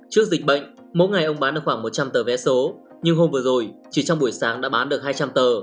trước dịch bệnh mỗi ngày ông bán được khoảng một trăm linh tờ vé số nhưng hôm vừa rồi chỉ trong buổi sáng đã bán được hai trăm linh tờ